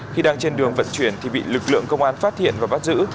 khi đang trên đường vận chuyển thì bị lực lượng công an phát hiện và bắt giữ